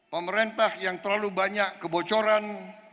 pemerintah yang terlalu banyak kebocoran